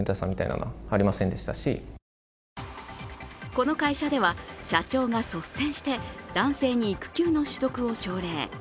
この会社では社長が率先して男性に育休の取得を奨励。